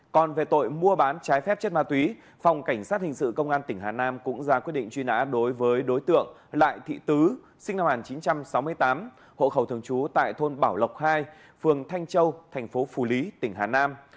còn về tội mua bán trái phép chất ma túy phòng cảnh sát hình sự công an tỉnh hà nam cũng ra quyết định truy nã đối với đối tượng lại thị tứ sinh năm một nghìn chín trăm sáu mươi tám hộ khẩu thường trú tại thôn bảo lộc hai phường thanh châu thành phố phủ lý tỉnh hà nam